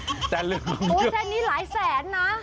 โอ๊ยแทนนี้หลายแสนน่ะ